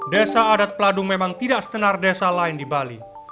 desa adat peladung memang tidak setenar desa lain di bali